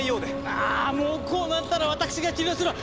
あもうこうなったら私が治療するわ！